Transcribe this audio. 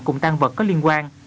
cùng tăng vật có liên quan